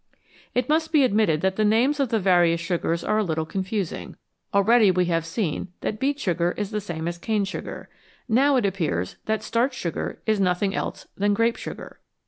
It must be admitted that the names of the various sugars are a little confusing ; already we have seen that beet sugar is the same as cane sugar, now it appears that starch sugar is nothing else than grape sugar.